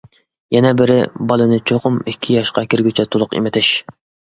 يەنە بىرى: بالىنى چوقۇم ئىككى ياشقا كىرگۈچە تولۇق ئېمىتىش.